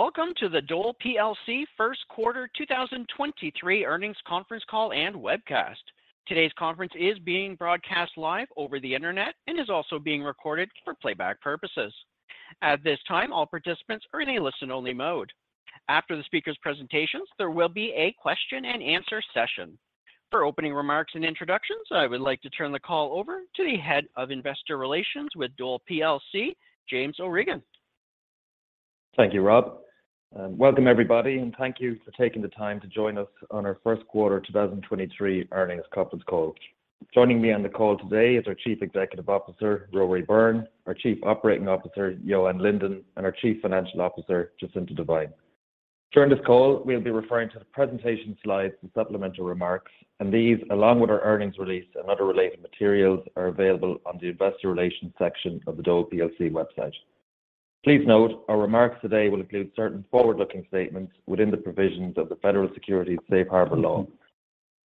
Welcome to the Dole PLC 1st quarter 2023 earnings conference call and webcast. Today's conference is being broadcast live over the Internet and is also being recorded for playback purposes. At this time, all participants are in a listen-only mode. After the speaker's presentations, there will be a question and answer session. For opening remarks and introductions, I would like to turn the call over to the Head of Investor Relations with Dole PLC, James O'Regan. Thank you, Rob, and welcome everybody, and thank you for taking the time to join us on our first quarter 2023 earnings conference call. Joining me on the call today is our Chief Executive Officer, Rory Byrne, our Chief Operating Officer, Johan Linden, and our Chief Financial Officer, Jacinta Devine. During this call, we'll be referring to the presentation slides and supplemental remarks, and these, along with our earnings release and other related materials, are available on the investor relations section of the Dole plc website. Please note our remarks today will include certain forward-looking statements within the provisions of the Federal Securities Safe Harbor law.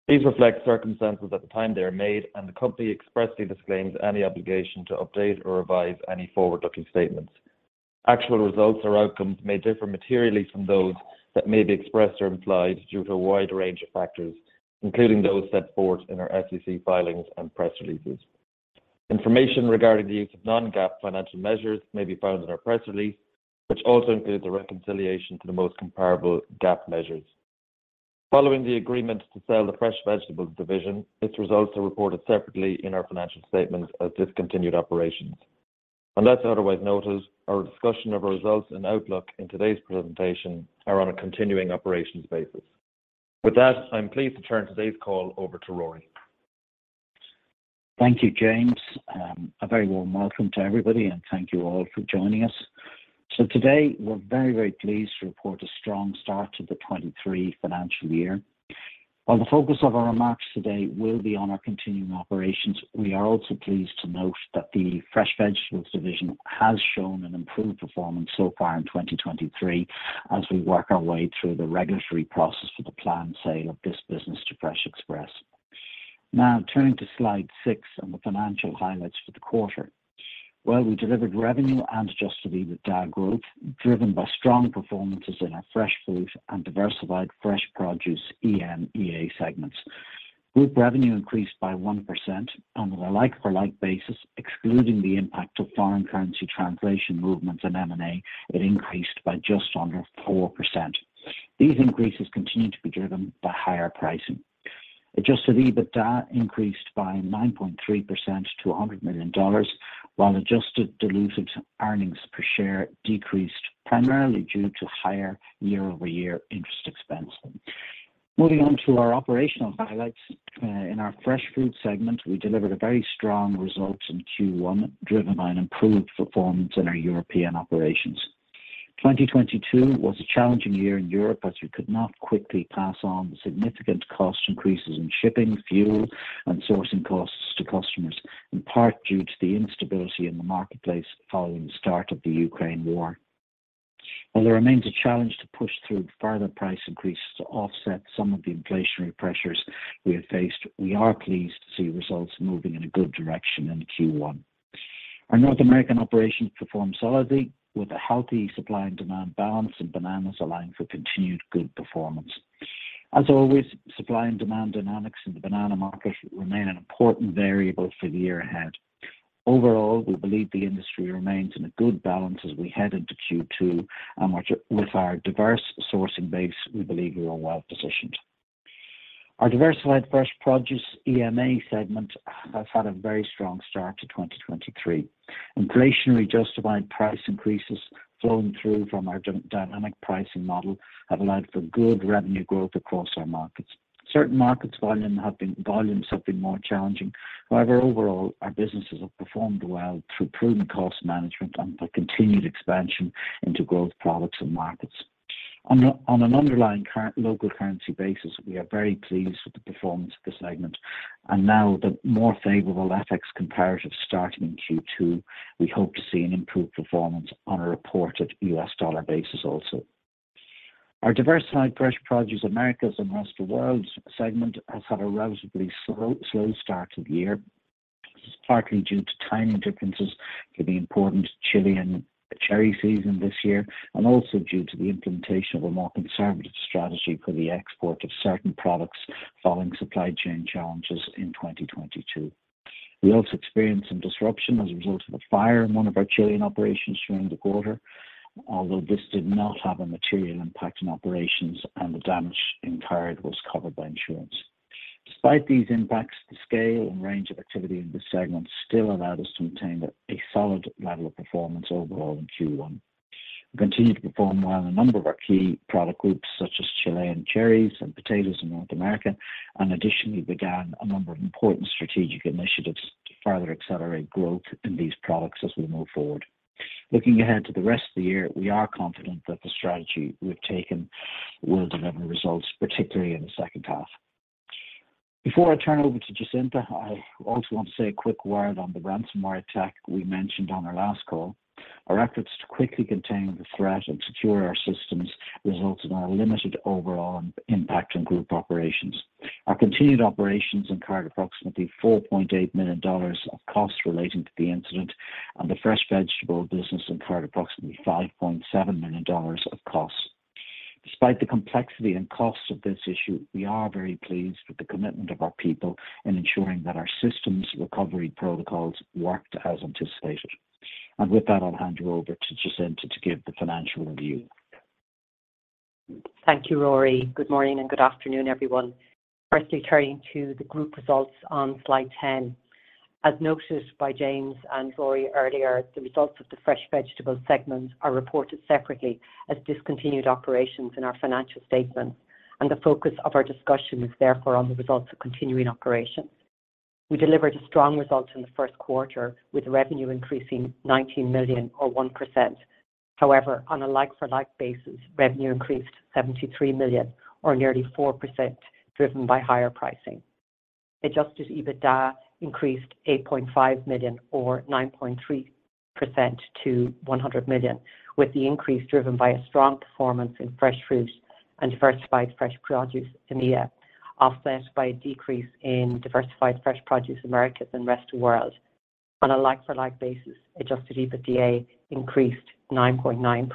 These reflect circumstances at the time they are made, and the company expressly disclaims any obligation to update or revise any forward-looking statements. Actual results or outcomes may differ materially from those that may be expressed or implied due to a wide range of factors, including those set forth in our SEC filings and press releases. Information regarding the use of non-GAAP financial measures may be found in our press release, which also includes a reconciliation to the most comparable GAAP measures. Following the agreement to sell the Fresh Vegetables Division, its results are reported separately in our financial statements as discontinued operations. Unless otherwise noted, our discussion of results and outlook in today's presentation are on a continuing operations basis. With that, I'm pleased to turn today's call over to Rory. Thank you, James. A very warm welcome to everybody, and thank you all for joining us. Today we're very, very pleased to report a strong start to the 2023 financial year. While the focus of our remarks today will be on our continuing operations, we are also pleased to note that the Fresh Vegetables Division has shown an improved performance so far in 2023 as we work our way through the regulatory process for the planned sale of this business to Fresh Express. Now turning to slide 6 on the financial highlights for the quarter. Well, we delivered revenue and Adjusted EBITDA growth driven by strong performances in our Fresh Food and Diversified Fresh Produce - EMEA segments. Group revenue increased by 1% on a like-for-like basis, excluding the impact of foreign currency translation movements and M&A, it increased by just under 4%. These increases continue to be driven by higher pricing. Adjusted EBITDA increased by 9.3% to $100 million, while adjusted dilutive earnings per share decreased primarily due to higher year-over-year interest expense. Moving on to our operational highlights. In our Fresh Food segment, we delivered a very strong results in Q1, driven by an improved performance in our European operations. 2022 was a challenging year in Europe as we could not quickly pass on significant cost increases in shipping, fuel, and sourcing costs to customers, in part due to the instability in the marketplace following the start of the Ukraine war. There remains a challenge to push through further price increases to offset some of the inflationary pressures we have faced, we are pleased to see results moving in a good direction in Q1. Our North American operations performed solidly with a healthy supply and demand balance, and bananas allowing for continued good performance. As always, supply and demand dynamics in the banana market remain an important variable for the year ahead. Overall, we believe the industry remains in a good balance as we head into Q2, and with our diverse sourcing base, we believe we are well-positioned. Our Diversified Fresh Produce EMEA segment has had a very strong start to 2023. Inflationary justified price increases flowing through from our dynamic pricing model have allowed for good revenue growth across our markets. Certain markets volumes have been more challenging. However, overall, our businesses have performed well through prudent cost management and the continued expansion into growth products and markets. On an underlying local currency basis, we are very pleased with the performance of this segment and now the more favorable FX comparative starting in Q2, we hope to see an improved performance on a reported U.S. dollar basis also. Our Diversified Fresh Produce - Americas and Rest of World segment has had a relatively slow start to the year. This is partly due to timing differences for the important Chilean cherry season this year, and also due to the implementation of a more conservative strategy for the export of certain products following supply chain challenges in 2022. We also experienced some disruption as a result of a fire in one of our Chilean operations during the quarter. Although this did not have a material impact on operations and the damage incurred was covered by insurance. Despite these impacts, the scale and range of activity in this segment still allowed us to maintain a solid level of performance overall in Q1. We continued to perform well in a number of our key product groups such as Chilean cherries and potatoes in North America, and additionally began a number of important strategic initiatives to further accelerate growth in these products as we move forward. Looking ahead to the rest of the year, we are confident that the strategy we've taken will deliver results, particularly in the second half. Before I turn over to Jacinta, I also want to say a quick word on the ransomware attack we mentioned on our last call. Our efforts to quickly contain the threat and secure our systems resulted in a limited overall impact on group operations. Our continuing operations incurred approximately $4.8 million of costs relating to the incident, and the Fresh Vegetables business incurred approximately $5.7 million of costs. Despite the complexity and costs of this issue, we are very pleased with the commitment of our people in ensuring that our systems recovery protocols worked as anticipated. With that, I'll hand you over to Jacinta to give the financial review. Thank you, Rory. Good morning and good afternoon, everyone. Firstly, turning to the group results on slide 10. As noted by James and Rory earlier, the results of the Fresh Vegetables segment are reported separately as discontinued operations in our financial statements, the focus of our discussion is therefore on the results of continuing operations. We delivered a strong result in the first quarter, with revenue increasing $19 million or 1%. However, on a like-for-like basis, revenue increased $73 million or nearly 4%, driven by higher pricing. Adjusted EBITDA increased $8.5 million or 9.3% to $100 million, with the increase driven by a strong performance in Fresh Fruit and Diversified Fresh Produce - EMEA, offset by a decrease in Diversified Fresh Produce - Americas and Rest of World. On a like-for-like basis, Adjusted EBITDA increased 9.9%.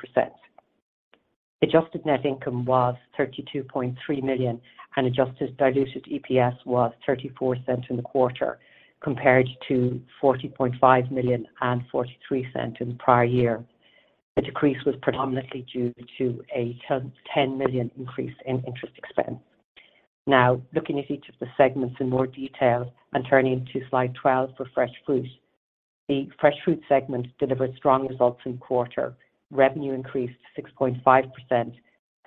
Adjusted net income was $32.3 million, adjusted diluted EPS was $0.34 in the quarter, compared to $40.5 million and $0.43 in the prior year. The decrease was predominantly due to a $10 million increase in interest expense. Looking at each of the segments in more detail and turning to slide 12 for Fresh Fruit. The Fresh Fruit segment delivered strong results in quarter. Revenue increased 6.5%,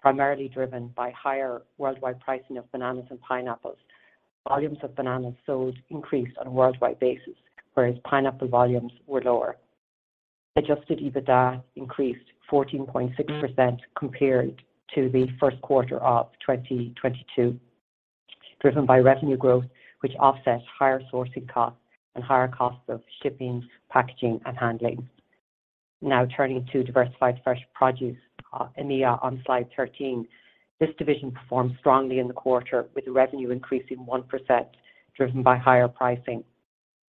primarily driven by higher worldwide pricing of bananas and pineapples. Volumes of bananas sold increased on a worldwide basis, whereas pineapple volumes were lower. Adjusted EBITDA increased 14.6% compared to the first quarter of 2022, driven by revenue growth, which offset higher sourcing costs and higher costs of shipping, packaging and handling. Turning to Diversified Fresh Produce - EMEA on slide 13. This division performed strongly in the quarter, with revenue increasing 1% driven by higher pricing.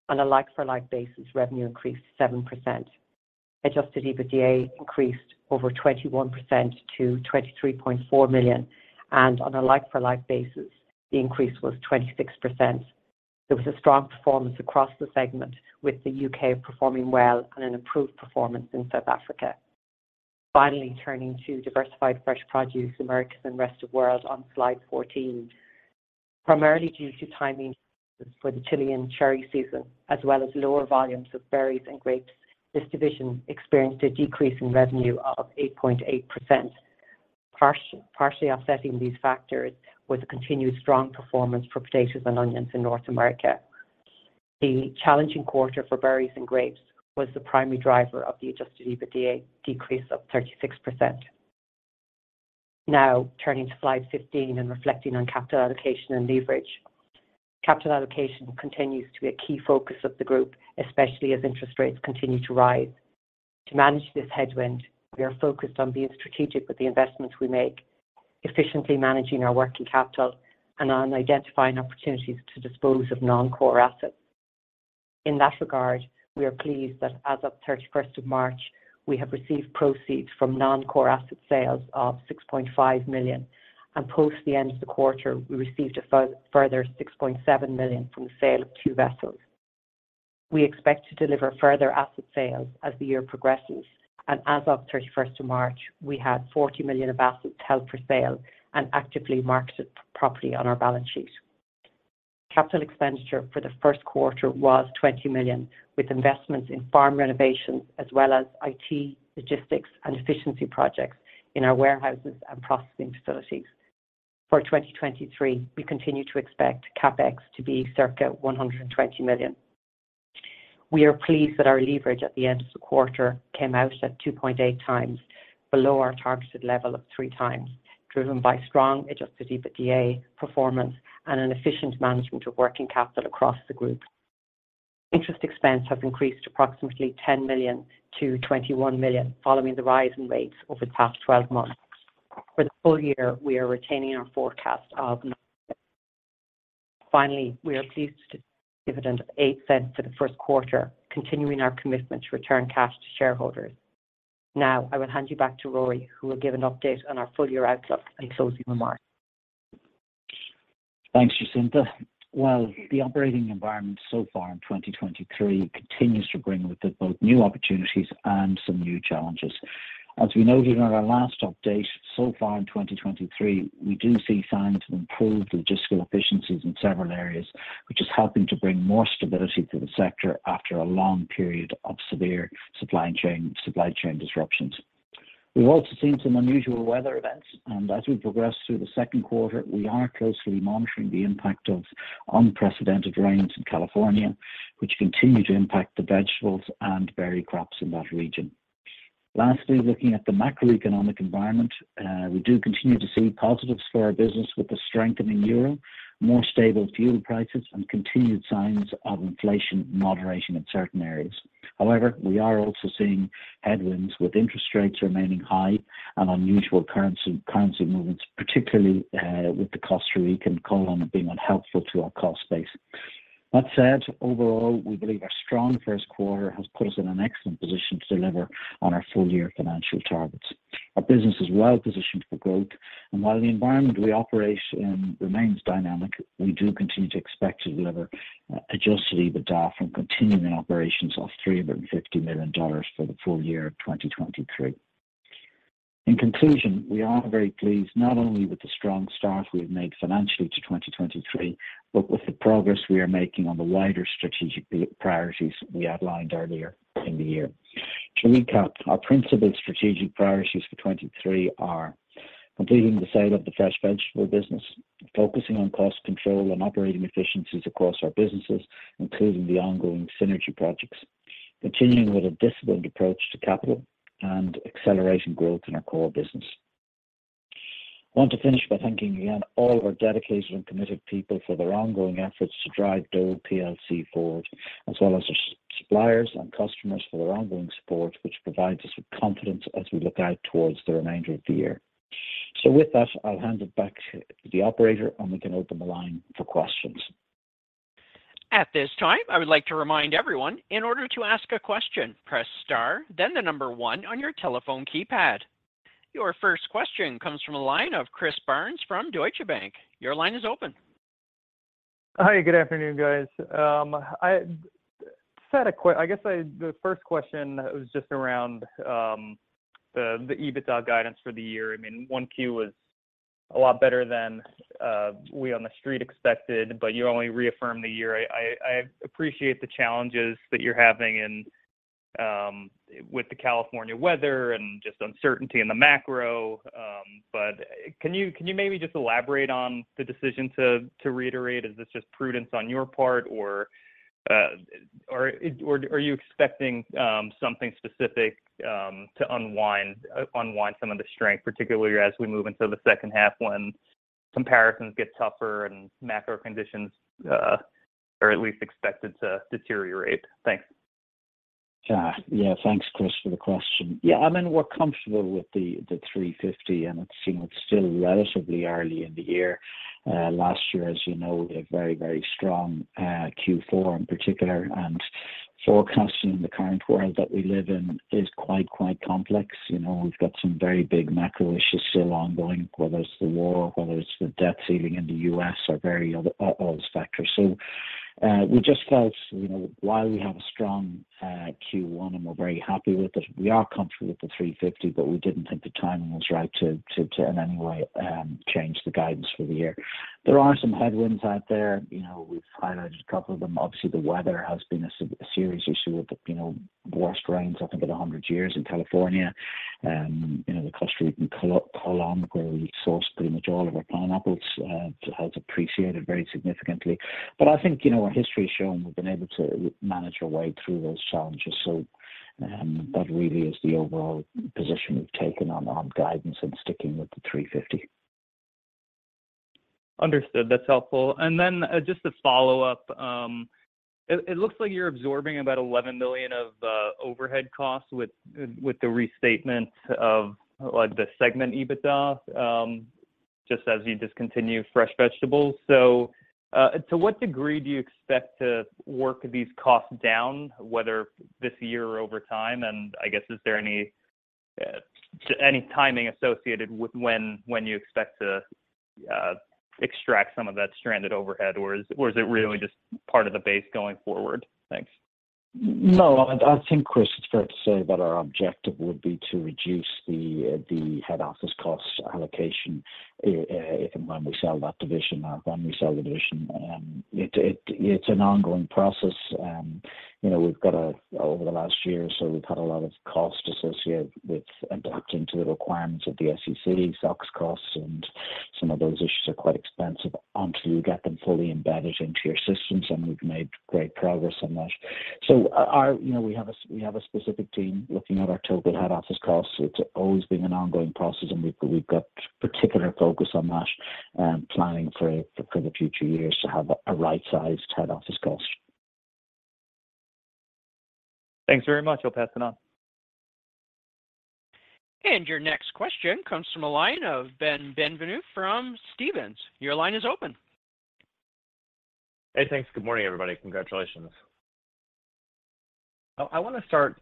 On a like-for-like basis, revenue increased 7%. Adjusted EBITDA increased over 21% to $23.4 million. On a like-for-like basis, the increase was 26%. There was a strong performance across the segment, with the U.K. performing well and an improved performance in South Africa. Turning to Diversified Fresh Produce - Americas and Rest of World on slide 14. Primarily due to timing for the Chilean cherry season as well as lower volumes of berries and grapes, this division experienced a decrease in revenue of 8.8%. Partially offsetting these factors was a continued strong performance for potatoes and onions in North America. The challenging quarter for berries and grapes was the primary driver of the Adjusted EBITDA decrease of 36%. Now turning to slide 15 and reflecting on capital allocation and leverage. Capital allocation continues to be a key focus of the group, especially as interest rates continue to rise. To manage this headwind, we are focused on being strategic with the investments we make, efficiently managing our working capital and on identifying opportunities to dispose of non-core assets. In that regard, we are pleased that as of 31st of March, we have received proceeds from non-core asset sales of $6.5 million and post the end of the quarter, we received a further $6.7 million from the sale of two vessels. We expect to deliver further asset sales as the year progresses and as of 31st of March, we had $40 million of assets held for sale and actively marketed properly on our balance sheet. Capital expenditure for the first quarter was $20 million, with investments in farm renovations as well as IT, logistics and efficiency projects in our warehouses and processing facilities. For 2023, we continue to expect CapEx to be circa $120 million. We are pleased that our leverage at the end of the quarter came out at 2.8 times below our targeted level of 3 times, driven by strong Adjusted EBITDA performance and an efficient management of working capital across the group. Interest expense has increased approximately $10 million to $21 million following the rise in rates over the past 12 months. For the full year, we are retaining our forecast of. We are pleased to take dividend of $0.08 for the first quarter, continuing our commitment to return cash to shareholders. I will hand you back to Rory, who will give an update on our full year outlook and closing remarks. Thanks, Jacinta. The operating environment so far in 2023 continues to bring with it both new opportunities and some new challenges. As we noted on our last update, so far in 2023, we do see signs of improved logistical efficiencies in several areas, which is helping to bring more stability to the sector after a long period of severe supply chain disruptions. We've also seen some unusual weather events, and as we progress through the second quarter, we are closely monitoring the impact of unprecedented rains in California, which continue to impact the vegetables and berry crops in that region. Lastly, looking at the macroeconomic environment, we do continue to see positives for our business with the strengthening euro, more stable fuel prices, and continued signs of inflation moderation in certain areas. We are also seeing headwinds with interest rates remaining high and unusual currency movements, particularly with the Costa Rican Colón being unhelpful to our cost base. Overall, we believe our strong first quarter has put us in an excellent position to deliver on our full-year financial targets. Our business is well positioned for growth, and while the environment we operate in remains dynamic, we do continue to expect to deliver Adjusted EBITDA from continuing operations of $350 million for the full year of 2023. In conclusion, we are very pleased not only with the strong start we've made financially to 2023, but with the progress we are making on the wider strategic priorities we outlined earlier in the year. To recap, our principal strategic priorities for 2023 are completing the sale of the Fresh Vegetables business, focusing on cost control and operating efficiencies across our businesses, including the ongoing synergy projects, continuing with a disciplined approach to capital, and accelerating growth in our core business. I want to finish by thanking again all of our dedicated and committed people for their ongoing efforts to drive Dole plc forward, as well as our suppliers and customers for their ongoing support, which provides us with confidence as we look out towards the remainder of the year. With that, I'll hand it back to the operator, and we can open the line for questions. At this time, I would like to remind everyone, in order to ask a question, press star then the number one on your telephone keypad. Your first question comes from the line of Christopher Barnes from Deutsche Bank. Your line is open. Hi, good afternoon, guys. I just had the first question was just around the EBITDA guidance for the year. I mean, 1Q was a lot better than we on the street expected, but you only reaffirmed the year. I appreciate the challenges that you're having and with the California weather and just uncertainty in the macro. Can you, can you maybe just elaborate on the decision to reiterate? Is this just prudence on your part or are you expecting something specific to unwind some of the strength, particularly as we move into the second half when comparisons get tougher and macro conditions are at least expected to deteriorate? Thanks. Yeah. Yeah. Thanks, Chris, for the question. Yeah, I mean, we're comfortable with the 350, and it seems still relatively early in the year. Last year, as you know, we had a very strong Q4 in particular. Forecasting in the current world that we live in is quite complex. You know, we've got some very big macro issues still ongoing, whether it's the war, whether it's the debt ceiling in the U.S. or all those factors. We just felt, you know, while we have a strong Q1, and we're very happy with it, we are comfortable with the 350, but we didn't think the timing was right to in any way change the guidance for the year. There are some headwinds out there. You know, we've highlighted a couple of them. Obviously, the weather has been a serious issue with, you know, the worst rains I think in 100 years in California. you know, the Costa Rican colon where we source pretty much all of our pineapples has appreciated very significantly. I think, you know, our history has shown we've been able to manage our way through those challenges. that really is the overall position we've taken on guidance and sticking with the $350. Understood. That's helpful. Just to follow up, it looks like you're absorbing about $11 million of overhead costs with the restatement of like the segment EBITDA, just as you discontinue Fresh Vegetables. To what degree do you expect to work these costs down, whether this year or over time? I guess is there any timing associated with when you expect to extract some of that stranded overhead, or is it really just part of the base going forward? Thanks. No, I think, Chris, it's fair to say that our objective would be to reduce the head office cost allocation and when we sell that division or when we sell the division. It's an ongoing process. You know, over the last year or so, we've had a lot of costs associated with adapting to the requirements of the SEC, SOX costs, and some of those issues are quite expensive until you get them fully embedded into your systems, and we've made great progress on that. You know, we have a specific team looking at our total head office costs. It's always been an ongoing process, and we've got particular focus on that, planning for the future years to have a right-sized head office cost. Thanks very much. I'll pass it on. Your next question comes from a line of Ben Bienvenu from Stephens. Your line is open. Hey, thanks. Good morning, everybody. Congratulations. I wanna start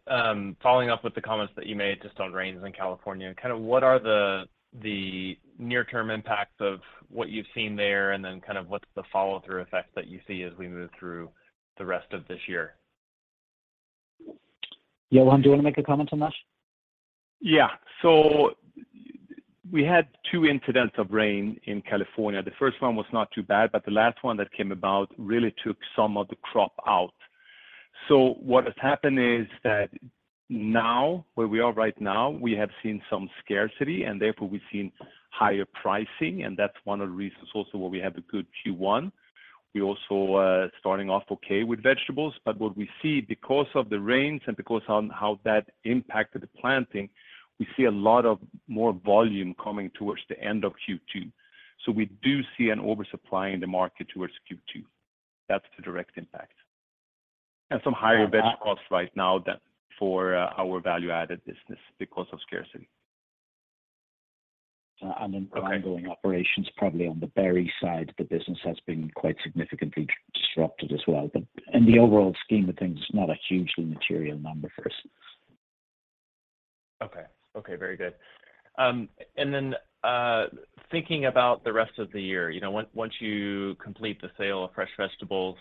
following up with the comments that you made just on rains in California. Kind of what are the near-term impacts of what you've seen there, and then kind of what's the follow-through effects that you see as we move through the rest of this year? Johan, do you wanna make a comment on that? We had 2 incidents of rain in California. The first 1 was not too bad, the last 1 that came about really took some of the crop out. What has happened is that now, where we are right now, we have seen some scarcity and therefore we've seen higher pricing, and that's 1 of the reasons also why we have a good Q1. We're also starting off okay with vegetables. What we see because of the rains and because on how that impacted the planting, we see a lot of more volume coming towards the end of Q2. We do see an oversupply in the market towards Q2. That's the direct impact. Some higher veg costs right now than for our value-added business because of scarcity. Ongoing operations probably on the berry side of the business has been quite significantly disrupted as well. In the overall scheme of things, it's not a hugely material number for us. Okay. Okay, very good. Thinking about the rest of the year, you know, once you complete the sale of Fresh Vegetables,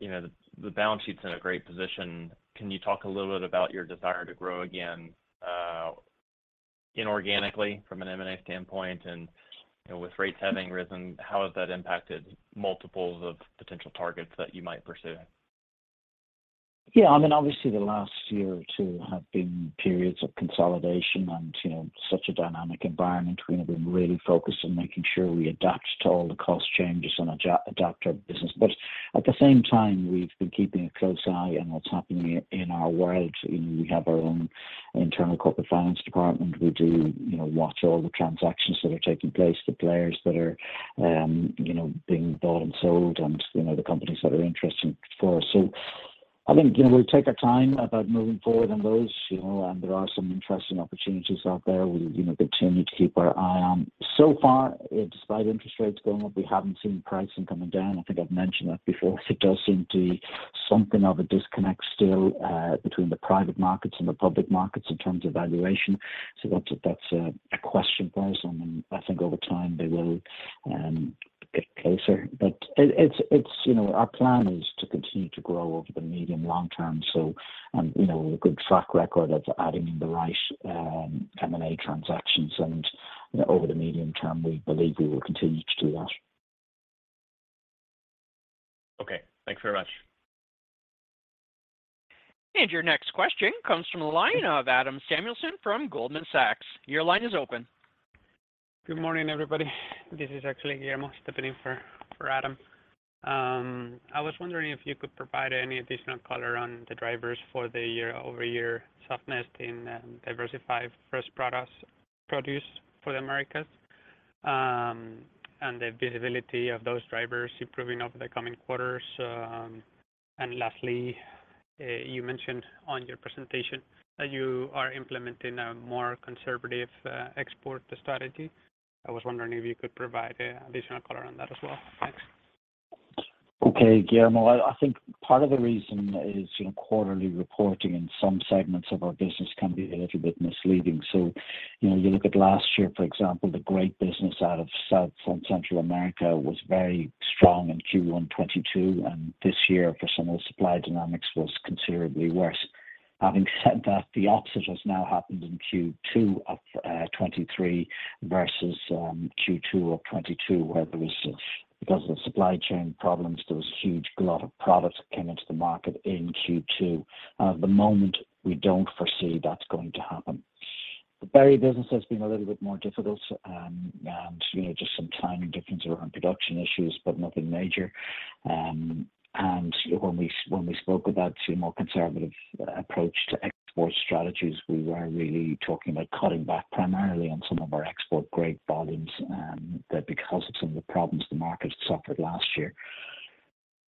you know, the balance sheet's in a great position. Can you talk a little bit about your desire to grow again, inorganically from an M&A standpoint? You know, with rates having risen, how has that impacted multiples of potential targets that you might pursue? Yeah. I mean, obviously, the last year or two have been periods of consolidation and, you know, such a dynamic environment. We've been really focused on making sure we adapt to all the cost changes and adapt our business. At the same time, we've been keeping a close eye on what's happening in our world. You know, we have our own internal corporate finance department. We do, you know, watch all the transactions that are taking place, the players that are, you know, being bought and sold and, you know, the companies that are interesting for us. I think, you know, we'll take our time about moving forward on those, you know, and there are some interesting opportunities out there we, you know, continue to keep our eye on. So far, despite interest rates going up, we haven't seen pricing coming down. I think I've mentioned that before. There does seem to be something of a disconnect still, between the private markets and the public markets in terms of valuation. That's, that's a question for us. I think over time they will get closer. It's, you know, our plan is to continue to grow over the medium long term. You know, a good track record of adding in the right M&A transactions and over the medium term, we believe we will continue to do that. Okay. Thanks very much. Your next question comes from the line of Adam Samuelson from Goldman Sachs. Your line is open. Good morning, everybody. This is actually Guillermo stepping in for Adam. I was wondering if you could provide any additional color on the drivers for the year-over-year softness in Diversified Fresh Produce for the Americas and the visibility of those drivers improving over the coming quarters. Lastly, you mentioned on your presentation that you are implementing a more conservative export strategy. I was wondering if you could provide additional color on that as well. Thanks. Okay. Guillermo, I think part of the reason is, you know, quarterly reporting in some segments of our business can be a little bit misleading. You know, you look at last year, for example, the grape business out of South and Central America was very strong in Q1 2022, and this year for some of the supply dynamics was considerably worse. Having said that, the opposite has now happened in Q2 of 2023 versus Q2 of 2022, where there was, because of supply chain problems, there was a huge glut of products that came into the market in Q2. At the moment, we don't foresee that's going to happen. The berry business has been a little bit more difficult, and, you know, just some timing difference around production issues, but nothing major. When we, when we spoke about a more conservative approach to export strategies, we were really talking about cutting back primarily on some of our export grape volumes, that because of some of the problems the market suffered last year.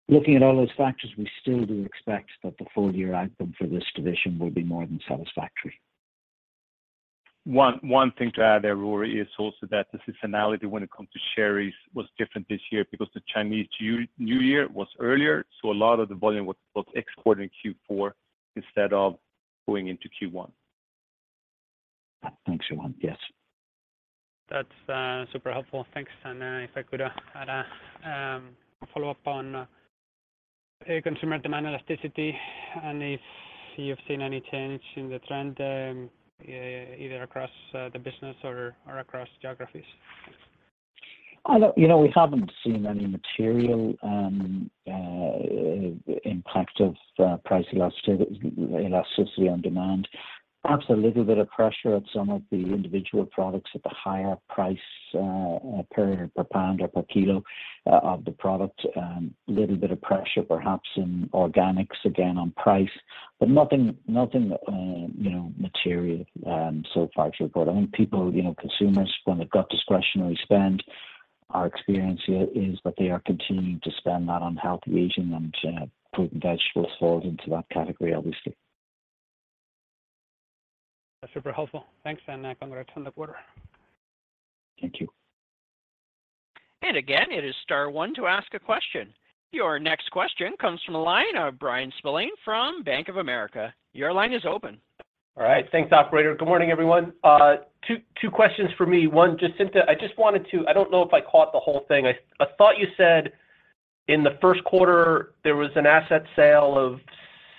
Looking at all those factors, we still do expect that the full year outcome for this division will be more than satisfactory. One thing to add there, Rory, is also that the seasonality when it comes to cherries was different this year because the Chinese New Year was earlier, so a lot of the volume was exported in Q4 instead of going into Q1. Thanks, Johan. Yes. That's super helpful. Thanks. If I could add a follow-up on consumer demand elasticity and if you've seen any change in the trend either across the business or across geographies. You know, we haven't seen any material impact of price elasticity on demand. Perhaps a little bit of pressure at some of the individual products at the higher price per pound or per kilo of the product. A little bit of pressure perhaps in organics, again on price, but nothing, you know, material so far to report. I think people, you know, consumers, when they've got discretionary spend, our experience here is that they are continuing to spend that on healthy aging and fruit and vegetables falls into that category, obviously. Super helpful. Thanks. I'm gonna return the quarter. Thank you. Again, it is star one to ask a question. Your next question comes from the line of Bryan Spillane from Bank of America. Your line is open. All right. Thanks, operator. Good morning, everyone. Two questions for me. One, Jacinta, I don't know if I caught the whole thing. I thought you said in the first quarter there was an asset sale of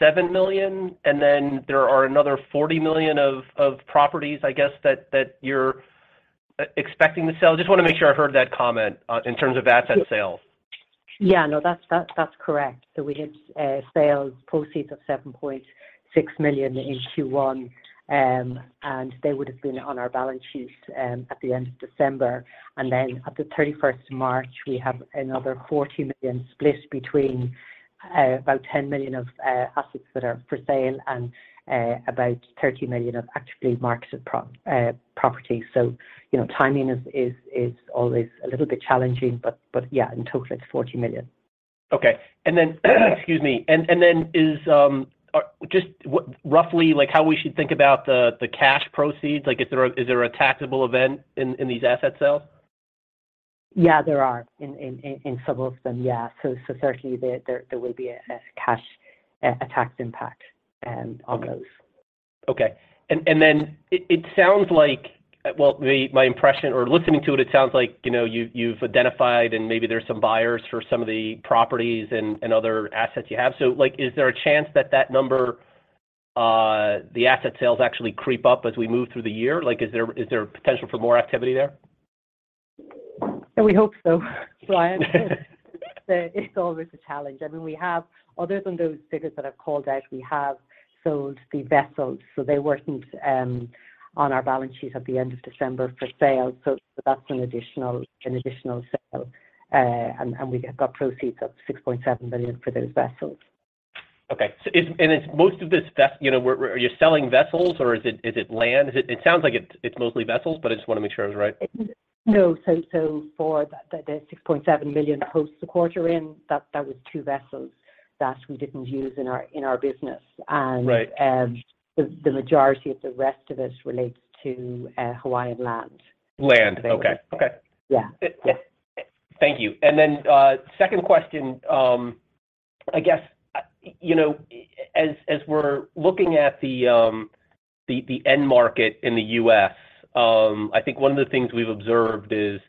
$7 million, and then there are another $40 million of properties, I guess that you're expecting to sell. Just wanna make sure I heard that comment in terms of asset sales. Yeah. No, that's correct. We had sales proceeds of $7.6 million in Q1. They would have been on our balance sheet at the end of December. At the 31st of March, we have another $40 million split between about $10 million of assets that are for sale and about $30 million of actively marketed property. You know, timing is always a little bit challenging. Yeah, in total, it's $40 million. Okay. Excuse me. Just what roughly like how we should think about the cash proceeds, like is there a, is there a taxable event in these asset sales? Yeah, there are in several of them. Yeah. Certainly there will be a cash a tax impact and on those. Okay. Then it sounds like, my impression or listening to it sounds like, you know, you've identified and maybe there's some buyers for some of the properties and other assets you have. Like, is there a chance that that number, the asset sales actually creep up as we move through the year? Like, is there potential for more activity there? We hope so, Bryan. I mean, we have, other than those figures that I've called out, we have sold the vessels, so they weren't on our balance sheet at the end of December for sale. That's an additional sale. And we got proceeds of $6.7 million for those vessels. Okay. Is most of this are you selling vessels or is it, is it land? It sounds like it's mostly vessels, but I just wanna make sure I was right. No. For the $6.7 million posts a quarter in that was 2 vessels that we didn't use in our business. Right the majority of the rest of it relates to Hawaiian land. Land. Okay. Okay. Yeah. Yeah. Thank you. Second question, I guess, you know, as we're looking at the end market in the US, I think one of the things we've observed is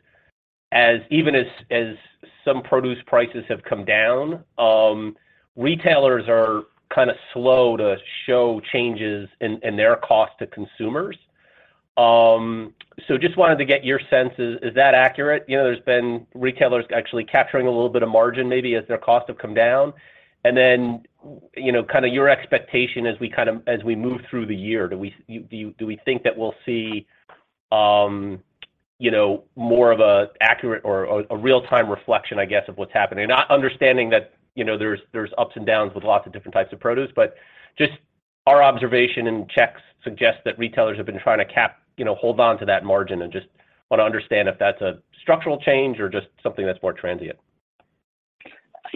as even as some produce prices have come down, retailers are kind of slow to show changes in their cost to consumers. Just wanted to get your sense. Is that accurate? You know, there's been retailers actually capturing a little bit of margin maybe as their costs have come down. You know, kind of your expectation as we kind of, as we move through the year, do we think that we'll see, you know, more of a accurate or a real-time reflection, I guess, of what's happening? Not understanding that, you know, there's ups and downs with lots of different types of produce, but just our observation and checks suggest that retailers have been trying to cap, you know, hold on to that margin and just want to understand if that's a structural change or just something that's more transient.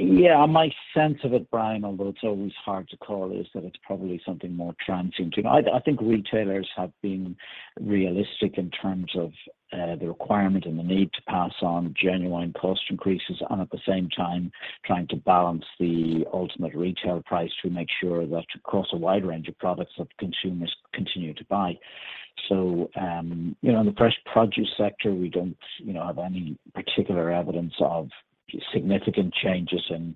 Yeah. My sense of it, Bryan, although it's always hard to call, is that it's probably something more transient. You know, I think retailers have been realistic in terms of the requirement and the need to pass on genuine cost increases and at the same time trying to balance the ultimate retail price to make sure that across a wide range of products that consumers continue to buy. You know, in the fresh produce sector, we don't, you know, have any particular evidence of significant changes in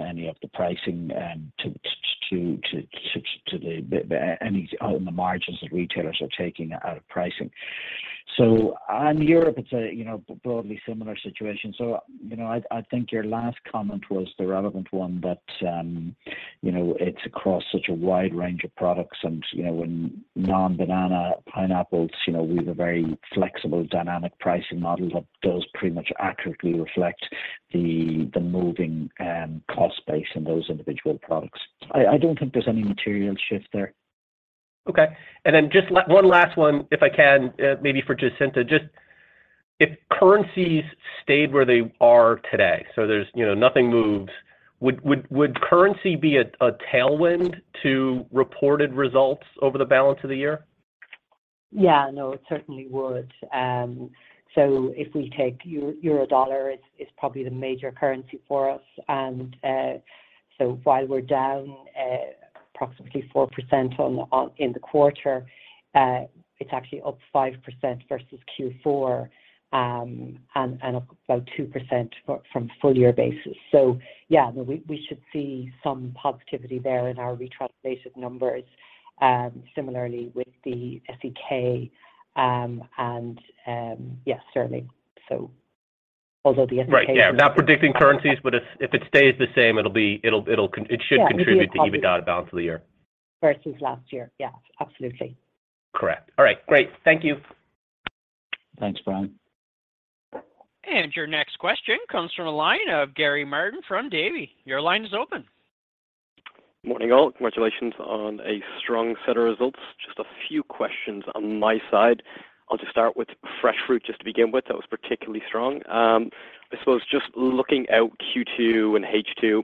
any of the pricing to any on the margins that retailers are taking out of pricing. On Europe, it's a, you know, broadly similar situation. you know, I think your last comment was the relevant one that, you know, it's across such a wide range of products and, you know, when non-banana pineapples, you know, we have a very flexible dynamic pricing model that does pretty much accurately reflect the moving cost base in those individual products. I don't think there's any material shift there. Okay. Just one last one, if I can, maybe for Jacinta. Just if currencies stayed where they are today, so there's, you know, nothing moves, would currency be a tailwind to reported results over the balance of the year? Yeah. No, it certainly would. If we take Euro Dollar is probably the major currency for us. While we're down approximately 4% in the quarter, it's actually up 5% versus Q4, and up about 2% from full year basis. Yeah, we should see some positivity there in our re-translated numbers, similarly with the SEK, and yeah, certainly so. Although the SEK- Right. Yeah. Not predicting currencies, but if it stays the same, it'll con- Yeah. It should contribute to EBITDA balance for the year. Versus last year. Yeah, absolutely. Correct. All right. Great. Thank you. Thanks, Bryan. Your next question comes from a line of Gary Martin from Davy. Your line is open. Morning, all. Congratulations on a strong set of results. Just a few questions on my side. I'll just start with Fresh Fruit just to begin with. That was particularly strong. I suppose just looking out Q2 and H2,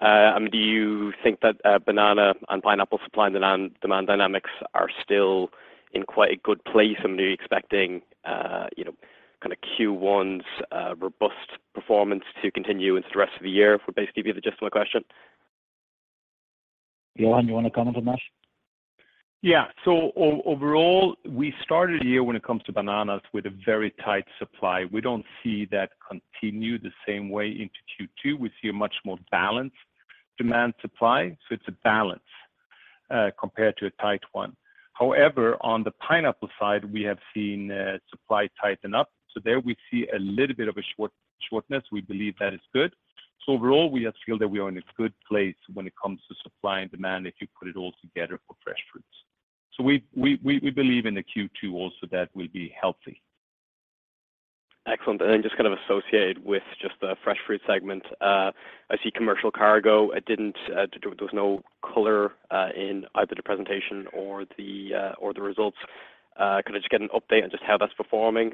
I mean, do you think that banana and pineapple supply and demand dynamics are still in quite a good place? I'm really expecting, you know, kind of Q1's robust performance to continue into the rest of the year would basically be the gist of my question. Johan, you want to comment on that? Overall, we started the year when it comes to bananas with a very tight supply. We don't see that continue the same way into Q2. We see a much more balanced demand supply, so it's a balance compared to a tight one. However, on the pineapple side, we have seen supply tighten up. There we see a little bit of a shortness. We believe that is good. Overall, we feel that we are in a good place when it comes to supply and demand if you put it all together for Fresh Fruit. We believe in the Q2 also that will be healthy. Excellent. Then just kind of associated with just the Fresh Fruit segment. I see commercial cargo. It didn't, there was no color in either the presentation or the results. Could I just get an update on just how that's performing?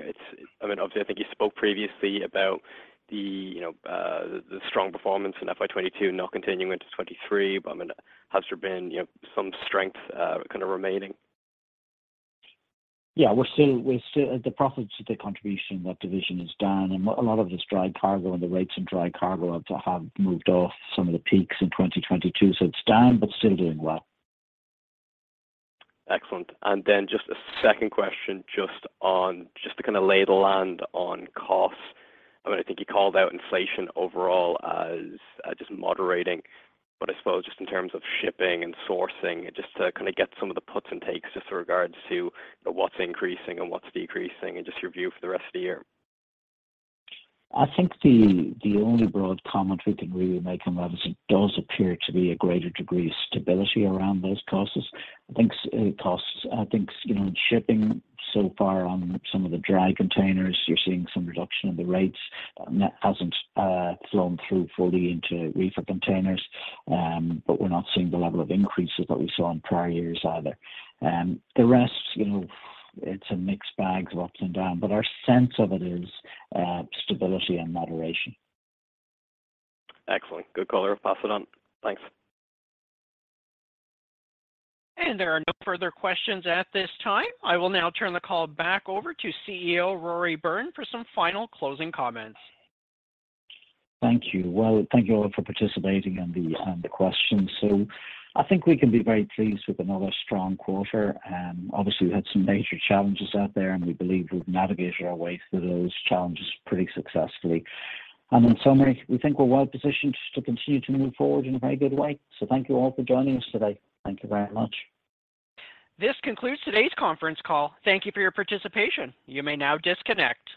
I mean, obviously, I think you spoke previously about the, you know, the strong performance in FY 2022 not continuing into 2023. I mean, has there been, you know, some strength kind of remaining? Yeah. We're still. The profits contribution in that division is down. A lot of it's dry cargo, and the rates in dry cargo have to have moved off some of the peaks in 2022. It's down, but still doing well. Excellent. Just a second question just to kind of lay the land on costs. I mean, I think you called out inflation overall as just moderating. I suppose just in terms of shipping and sourcing, just to kind of get some of the puts and takes just in regards to what's increasing and what's decreasing, and just your view for the rest of the year. I think the only broad comment we can really make on that is it does appear to be a greater degree of stability around those costs. I think, you know, in shipping so far on some of the dry containers, you're seeing some reduction in the rates, that hasn't flown through fully into reefer containers. We're not seeing the level of increases that we saw in prior years either. The rest, you know, it's a mixed bag of ups and downs, but our sense of it is stability and moderation. Excellent. Good call. I'll pass it on. Thanks. There are no further questions at this time. I will now turn the call back over to CEO Rory Byrne for some final closing comments. Thank you. Well, thank you all for participating and the questions. I think we can be very pleased with another strong quarter. Obviously we had some major challenges out there, and we believe we've navigated our way through those challenges pretty successfully. In summary, we think we're well-positioned to continue to move forward in a very good way. Thank you all for joining us today. Thank you very much. This concludes today's conference call. Thank you for your participation. You may now disconnect.